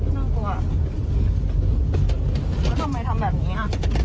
น่ากลัวแล้วทำไมทำแบบนี้อ่ะ